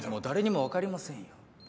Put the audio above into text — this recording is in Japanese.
誰にも分かりませんよ。